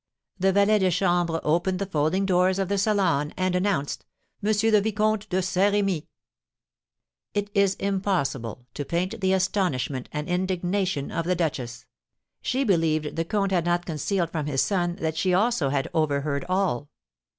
The valet de chambre opened the folding doors of the salon, and announced, "Monsieur the Vicomte de Saint Remy!" It is impossible to paint the astonishment and indignation of the duchess. She believed the comte had not concealed from his son that she also had overheard all.